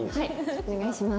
お願いします。